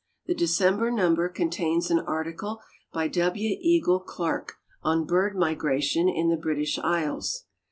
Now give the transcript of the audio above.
The December number contains an article by W. Eagle Clarke on Bird Migration in the British Isles.